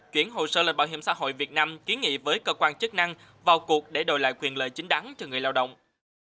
chuyển hồ sơ lệnh bảo hiểm xã hội việt nam kiến nghị với cơ quan chức năng vào cuộc để đổi lại quyền lợi chính đắn cho người lao động